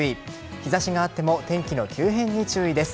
日差しがあっても天気の急変に注意です。